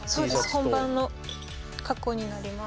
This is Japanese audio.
本番の格好になります。